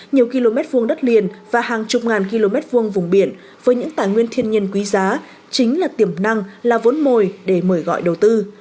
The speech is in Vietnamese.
nhiều km vuông đất liền và hàng chục ngàn km hai vùng biển với những tài nguyên thiên nhiên quý giá chính là tiềm năng là vốn mồi để mời gọi đầu tư